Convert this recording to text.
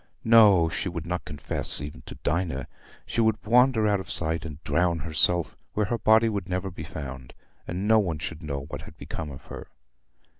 No; she would not confess even to Dinah. She would wander out of sight, and drown herself where her body would never be found, and no one should know what had become of her.